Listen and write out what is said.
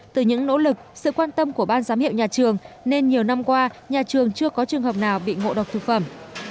từ những nỗ lực sự quan tâm của ban giám hiệu nhà trường nên nhiều năm qua nhà trường chưa có trường hợp nào bị ngộ độc thực phẩm